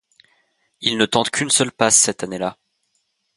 Il ne tente qu'une seule passe cette année-là.